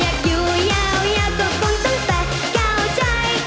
อยากอยู่ยาวอยากประภูมิทั้งแปดเก่าใจ